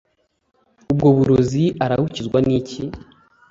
ubwo burozi urabukizwa n'iki?